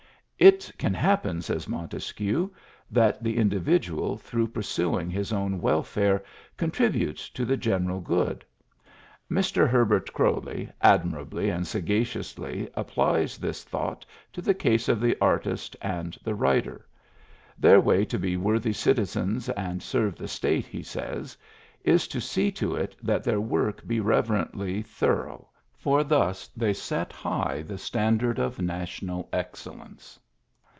It can happen, says Montesquieu, that the individual through pursuing his own welfare contributes to the general good; Mr. Herbert Croly admirably and sagaciously applies this thought to the case of the artist and the writer. Their way to be worthy citizens and serve the State, he says, is to see to it that their work be reverently thorough, for thus they set high the standard of national excellence.